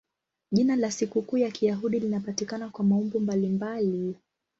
Jina la sikukuu ya Kiyahudi linapatikana kwa maumbo mbalimbali.